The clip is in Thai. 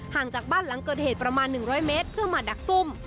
จากบ้านหลังเกิดเหตุประมาณ๑๐๐เมตรเพื่อมาดักซุ่ม